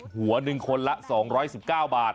หัว๑คนละ๒๑๙บาท